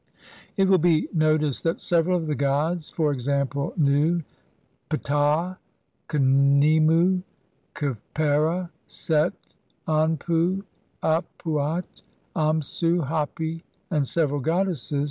It will be noticed that several of the gods, e. g., Nu, Ptah, Khnemu, Khepera, Set, Anpu, Ap uat, Amsu, Hapi, and several goddesses, c.